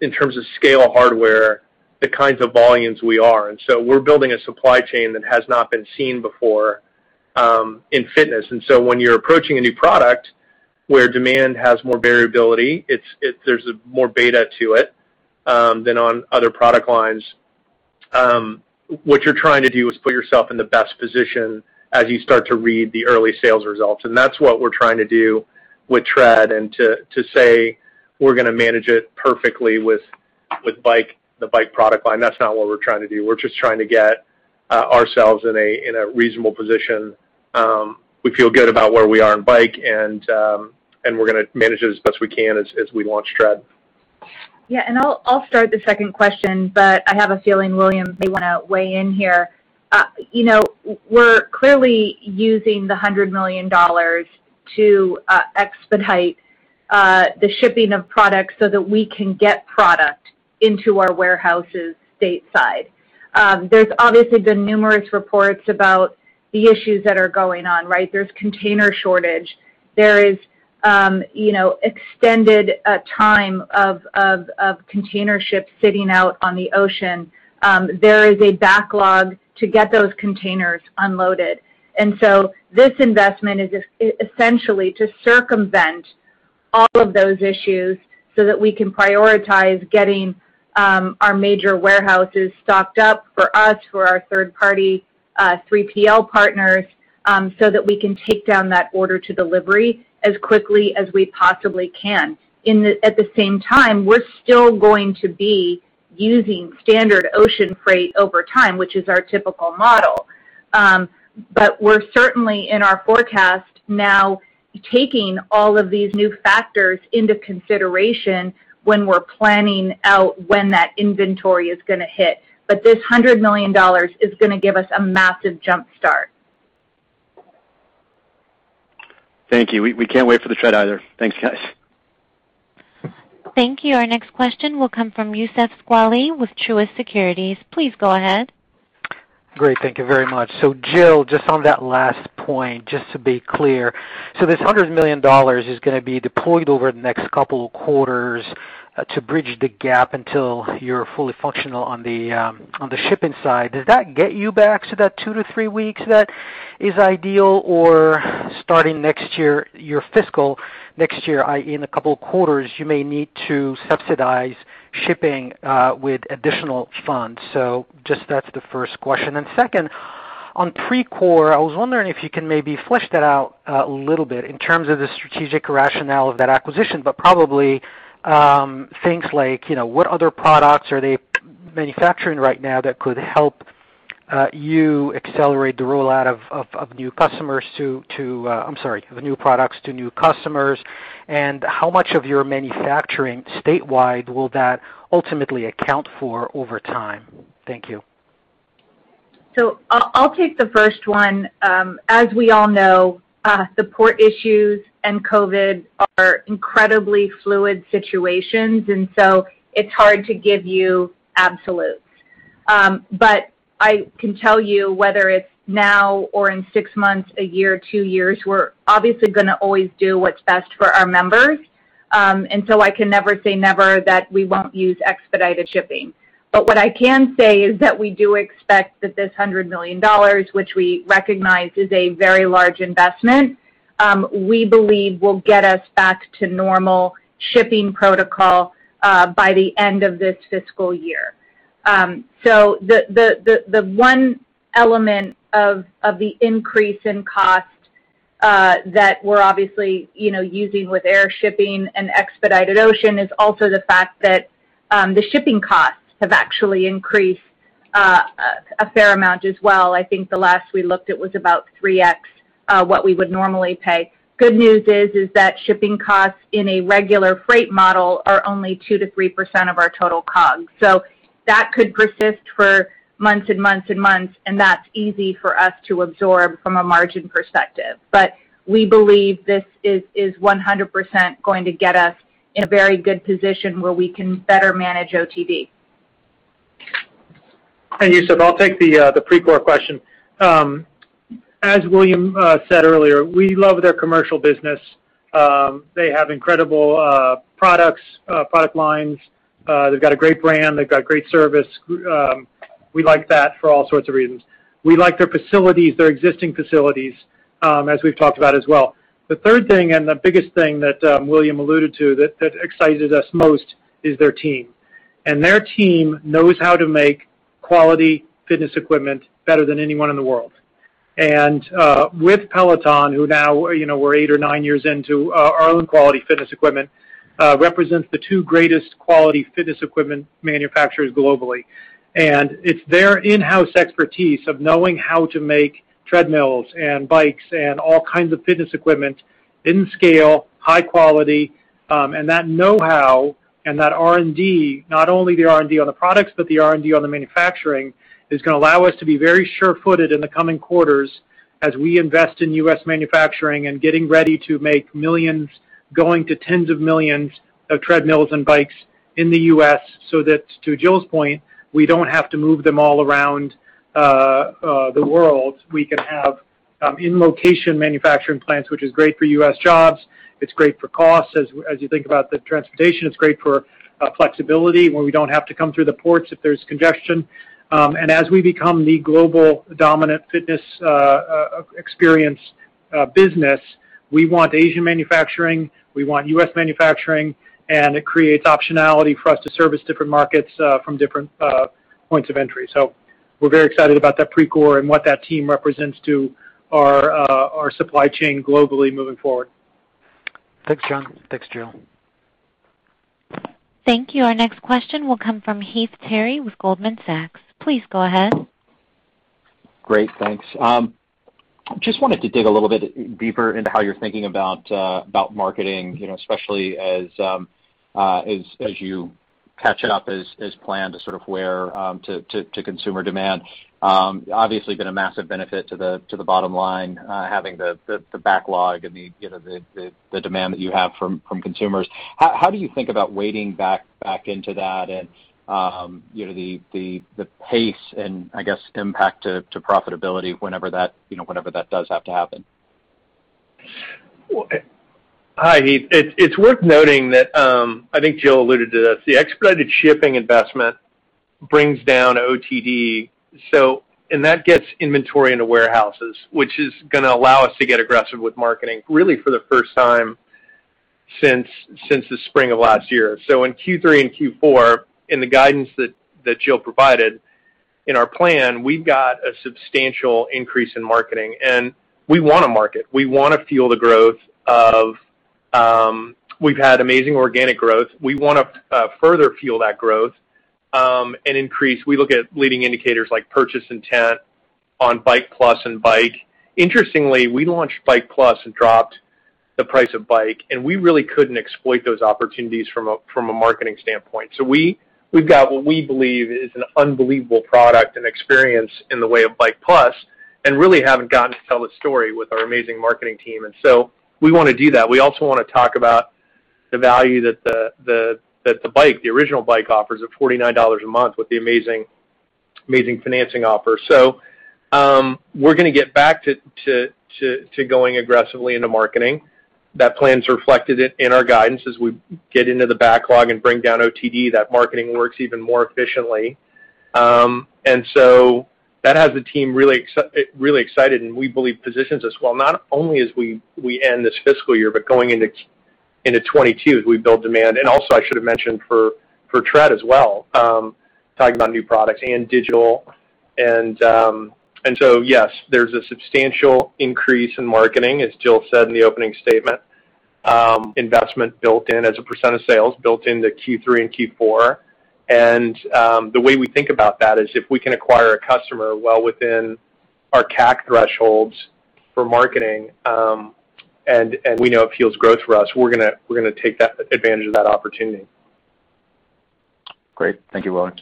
in terms of scale hardware, the kinds of volumes we are. We're building a supply chain that has not been seen before in fitness. When you're approaching a new product where demand has more variability, there's more beta to it than on other product lines. What you're trying to do is put yourself in the best position as you start to read the early sales results, and that's what we're trying to do with Tread. To say we're going to manage it perfectly with the Bike product line, that's not what we're trying to do. We're just trying to get ourselves in a reasonable position. We feel good about where we are in Bike, and we're going to manage it as best we can as we launch Tread. I'll start the second question, but I have a feeling, William, may want to weigh in here. We're clearly using the $100 million to expedite the shipping of products so that we can get product into our warehouses stateside. There's obviously been numerous reports about the issues that are going on, right? There's container shortage. There is extended time of container ships sitting out on the ocean. There is a backlog to get those containers unloaded. This investment is essentially to circumvent all of those issues so that we can prioritize getting our major warehouses stocked up for us, for our third party 3PL partners, so that we can take down that order to delivery as quickly as we possibly can. At the same time, we're still going to be using standard ocean freight over time, which is our typical model. We're certainly in our forecast now, taking all of these new factors into consideration when we're planning out when that inventory is going to hit. This $100 million is going to give us a massive jumpstart. Thank you. We can't wait for the Tread either. Thanks, guys. Thank you. Our next question will come from Youssef Squali with Truist Securities. Please go ahead. Great. Thank you very much. Jill, just on that last point, just to be clear, this $100 million is going to be deployed over the next couple of quarters to bridge the gap until you're fully functional on the shipping side. Does that get you back to that two to three weeks that is ideal? Starting next year, your fiscal next year, i.e., in a couple of quarters, you may need to subsidize shipping with additional funds. Just that's the first question. Second, on Precor, I was wondering if you can maybe flesh that out a little bit in terms of the strategic rationale of that acquisition, but probably things like what other products are they manufacturing right now that could help you accelerate the rollout of new products to new customers, and how much of your manufacturing statewide will that ultimately account for over time? Thank you. I'll take the first one. As we all know, port issues and COVID are incredibly fluid situations, it's hard to give you absolutes. I can tell you whether it's now or in six months, a year, two years, we're obviously going to always do what's best for our members. I can never say never that we won't use expedited shipping. What I can say is that we do expect that this $100 million, which we recognize is a very large investment, we believe will get us back to normal shipping protocol by the end of this fiscal year. The one element of the increase in cost that we're obviously using with air shipping and expedited ocean is also the fact that the shipping costs have actually increased a fair amount as well. I think the last we looked, it was about 3x what we would normally pay. Good news is that shipping costs in a regular freight model are only 2%-3% of our total COGS. That could persist for months and months and months, and that's easy for us to absorb from a margin perspective. We believe this is 100% going to get us in a very good position where we can better manage OTD. Youssef, I'll take the Precor question. As William said earlier, we love their commercial business. They have incredible product lines. They've got a great brand. They've got great service. We like that for all sorts of reasons. We like their facilities, their existing facilities, as we've talked about as well. The third thing and the biggest thing that William alluded to that excited us most is their team. Their team knows how to make quality fitness equipment better than anyone in the world. With Peloton, who now we're eight or nine years into our own quality fitness equipment, represents the two greatest quality fitness equipment manufacturers globally. It's their in-house expertise of knowing how to make treadmills and Bikes and all kinds of fitness equipment in scale, high quality, and that know-how and that R&D, not only the R&D on the products, but the R&D on the manufacturing, is going to allow us to be very surefooted in the coming quarters as we invest in U.S. manufacturing and getting ready to make millions, going to 10s of millions of treadmills and Bikes in the U.S., so that, to Jill's point, we don't have to move them all around the world. We can have in-location manufacturing plants, which is great for U.S. jobs. It's great for costs, as you think about the transportation. It's great for flexibility, where we don't have to come through the ports if there's congestion. As we become the global dominant fitness experience business, we want Asian manufacturing. We want U.S. manufacturing. It creates optionality for us to service different markets from different points of entry. We're very excited about that Precor and what that team represents to our supply chain globally moving forward. Thanks, John. Thanks, Jill. Thank you. Our next question will come from Heath Terry with Goldman Sachs. Please go ahead. Great, thanks. Just wanted to dig a little bit deeper into how you're thinking about marketing, especially as you catch it up as planned to sort of where to consumer demand. Obviously, been a massive benefit to the bottom line, having the backlog and the demand that you have from consumers. How do you think about wading back into that and the pace and, I guess, impact to profitability whenever that does have to happen? Hi, Heath. It's worth noting that, I think Jill alluded to this, the expedited shipping investment brings down OTD. That gets inventory into warehouses, which is going to allow us to get aggressive with marketing really for the first time since the spring of last year. In Q3 and Q4, in the guidance that Jill provided, in our plan, we've got a substantial increase in marketing, and we want to market. We want to fuel. We've had amazing organic growth. We want to further fuel that growth and increase. We look at leading indicators like purchase intent on Bike+ and Bike. Interestingly, we launched Bike+ and dropped the price of Bike, we really couldn't exploit those opportunities from a marketing standpoint. We've got what we believe is an unbelievable product and experience in the way of Bike+ and really haven't gotten to tell the story with our amazing marketing team. We want to do that. We also want to talk about the value that the original Bike offers at $49 a month with the amazing financing offer. We're going to get back to going aggressively into marketing. That plan's reflected in our guidance as we get into the backlog and bring down OTD, that marketing works even more efficiently. That has the team really excited and we believe positions us well, not only as we end this fiscal year, but going into 2022 as we build demand. Also, I should have mentioned for Tread as well, talking about new products and digital. Yes, there's a substantial increase in marketing, as Jill said in the opening statement. investment built in as a percentage of sales, built into Q3 and Q4. The way we think about that is if we can acquire a customer well within our CAC thresholds for marketing, and we know it fuels growth for us, we're going to take advantage of that opportunity. Great. Thank you, William.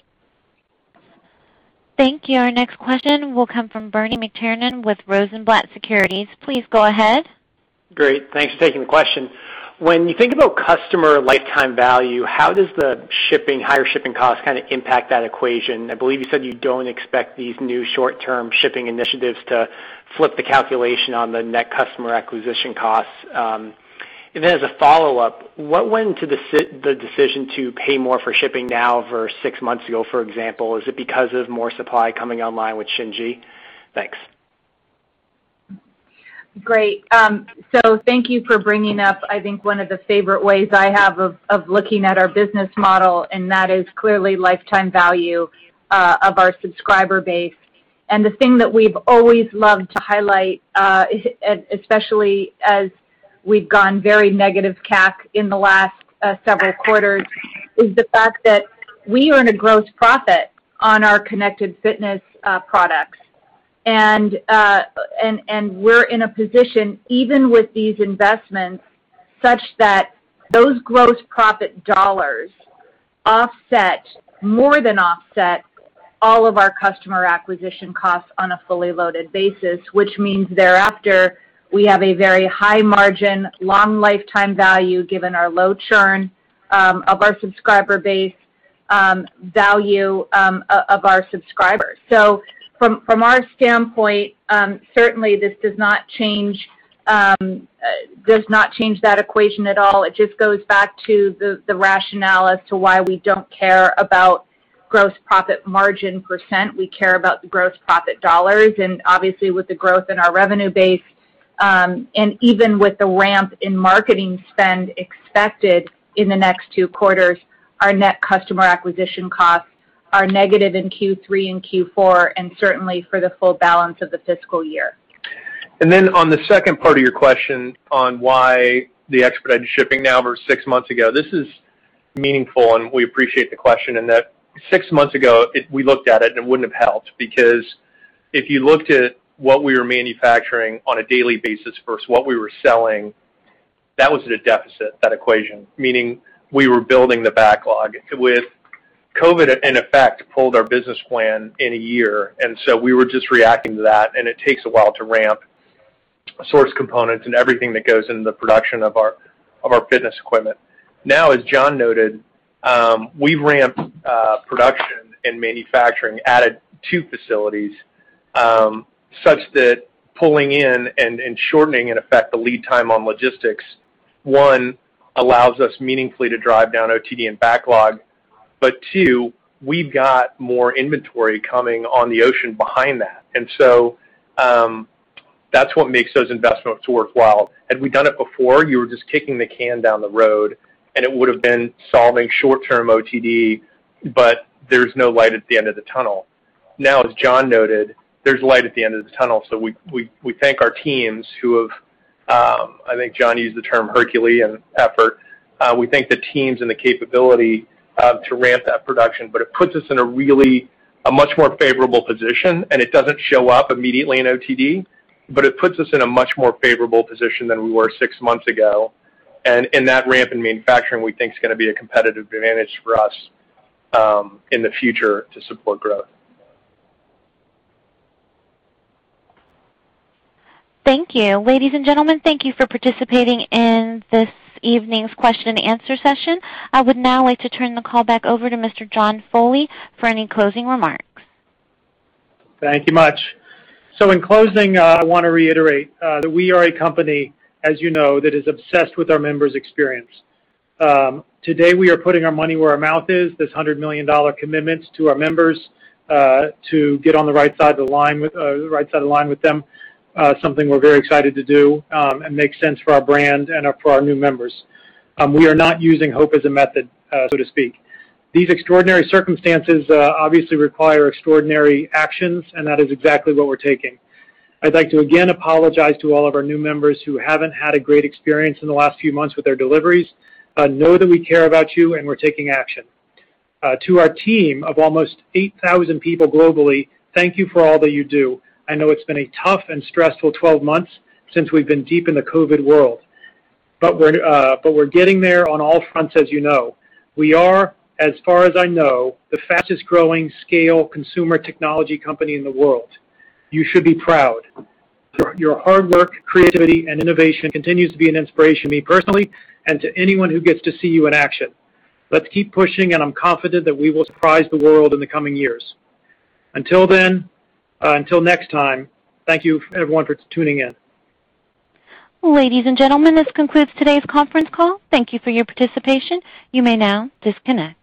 Thank you. Our next question will come from Bernie McTernan with Rosenblatt Securities. Please go ahead. Great. Thanks for taking the question. When you think about customer lifetime value, how does the higher shipping cost kind of impact that equation? I believe you said you don't expect these new short-term shipping initiatives to flip the calculation on the net customer acquisition costs. As a follow-up, what went into the decision to pay more for shipping now versus six months ago, for example? Is it because of more supply coming online with Xinji? Thanks. Great. Thank you for bringing up, I think, one of the favorite ways I have of looking at our business model, and that is clearly lifetime value of our subscriber base. The thing that we've always loved to highlight, especially as we've gone very negative CAC in the last several quarters, is the fact that we earn a gross profit on our connected fitness products. We're in a position, even with these investments, such that those gross profit dollars more than offset all of our customer acquisition costs on a fully loaded basis, which means thereafter, we have a very high margin, long lifetime value, given our low churn of our subscriber base, value of our subscribers. From our standpoint, certainly this does not change that equation at all. It just goes back to the rationale as to why we don't care about gross profit margin percentage. We care about the gross profit dollars. Obviously with the growth in our revenue base, even with the ramp in marketing spend expected in the next two quarters, our net customer acquisition costs are negative in Q3 and Q4, and certainly for the full balance of the fiscal year. On the second part of your question on why the expedited shipping now versus six months ago, this is meaningful and we appreciate the question in that six months ago, we looked at it and it wouldn't have helped because if you looked at what we were manufacturing on a daily basis versus what we were selling, that was at a deficit, that equation, meaning we were building the backlog. With COVID, in effect, pulled our business plan in a year, and so we were just reacting to that, and it takes a while to ramp source components and everything that goes into the production of our fitness equipment. Now, as John noted, we've ramped production and manufacturing, added two facilities, such that pulling in and shortening, in effect, the lead time on logistics, one, allows us meaningfully to drive down OTD and backlog. Two, we've got more inventory coming on the ocean behind that. That's what makes those investments worthwhile. Had we done it before, you were just kicking the can down the road and it would've been solving short-term OTD, but there's no light at the end of the tunnel. Now, as John noted, there's light at the end of the tunnel. We thank our teams who, I think John used the term Herculean effort. We thank the teams and the capability to ramp that production. It puts us in a much more favorable position, and it doesn't show up immediately in OTD, but it puts us in a much more favorable position than we were six months ago. In that ramp in manufacturing, we think is going to be a competitive advantage for us in the future to support growth. Thank you. Ladies and gentlemen, thank you for participating in this evening's question and answer session. I would now like to turn the call back over to Mr. John Foley for any closing remarks. Thank you much. In closing, I want to reiterate that we are a company, as you know, that is obsessed with our members' experience. Today, we are putting our money where our mouth is, this $100 million commitment to our members, to get on the right side of the line with them. Something we're very excited to do, and makes sense for our brand and for our new members. We are not using hope as a method, so to speak. These extraordinary circumstances obviously require extraordinary actions, and that is exactly what we're taking. I'd like to again apologize to all of our new members who haven't had a great experience in the last few months with their deliveries. Know that we care about you and we're taking action. To our team of almost 8,000 people globally, thank you for all that you do. I know it's been a tough and stressful 12 months since we've been deep in the COVID world. We're getting there on all fronts, as you know. We are, as far as I know, the fastest growing scale consumer technology company in the world. You should be proud. Your hard work, creativity, and innovation continues to be an inspiration to me personally and to anyone who gets to see you in action. Let's keep pushing, and I'm confident that we will surprise the world in the coming years. Until next time, thank you everyone for tuning in. Ladies and gentlemen, this concludes today's conference call. Thank you for your participation. You may now disconnect.